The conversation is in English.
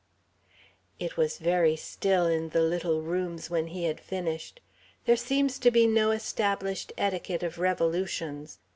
It was very still in the little rooms when he had finished. There seems to be no established etiquette of revolutions.